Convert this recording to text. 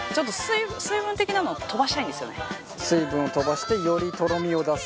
水分を飛ばしてよりとろみを出す。